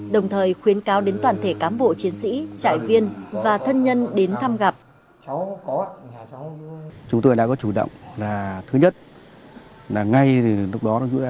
đồng thời khuyến cáo đến toàn thể cám bộ chiến sĩ trại viên và thân nhân đến thăm gặp